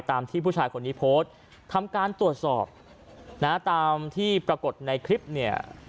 ที่ผู้ชายคนนี้โพสต์ทำการตรวจสอบนะตามที่ปรากฏในคลิปเนี่ย